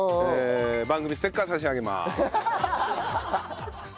番組ステッカー差し上げます。